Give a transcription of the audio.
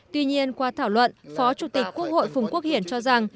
tuy nhiên qua thảo luận phó chủ tịch quốc hội phùng quốc hiển cho rằng